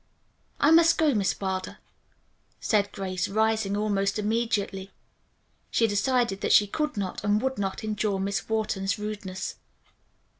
"I must go, Miss Wilder," said Grace, rising almost immediately. She decided that she could not and would not endure Miss Wharton's rudeness.